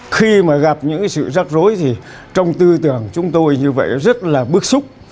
khi mà gặp những cái sự rắc rối thì trong tư tưởng chúng tôi như vậy rất là bức xúc